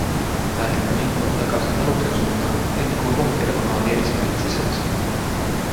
Päätimme pinkoa takaisin aluksen suuntaan, ennen kuin lohkeileva maa nielisi meidät sisäänsä.